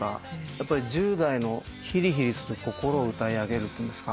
やっぱり１０代のヒリヒリする心を歌い上げるっていうんですか。